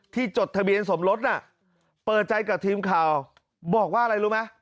จดทะเบียนสมรสน่ะเปิดใจกับทีมข่าวบอกว่าอะไรรู้ไหม